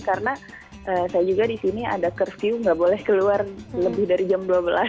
karena saya juga di sini ada curfew nggak boleh keluar lebih dari jam dua belas